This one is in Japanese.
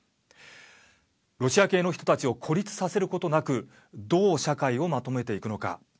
ロシア系の人たちを孤立させることなくどう社会をまとめていくのか。